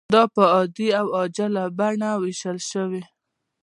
دا په عادي او عاجله بڼه ویشل شوې.